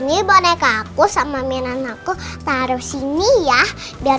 yaudah aku masuk dulu ya